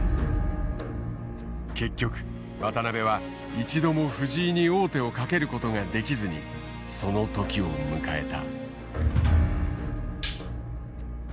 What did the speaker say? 結局渡辺は一度も藤井に王手をかけることができずにその時を迎えた。